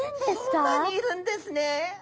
そんなにいるんですね。